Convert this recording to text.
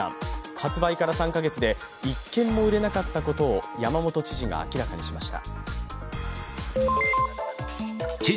発売から３か月で一件も売れなかったことを山本知事が明らかにしました。